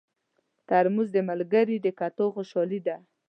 ترموز د ملګري د کتو خوشالي ده.